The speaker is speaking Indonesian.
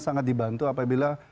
sangat dibantu apabila